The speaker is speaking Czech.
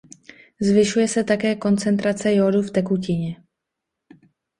Zvyšuje se také koncentrace jódu v tekutině.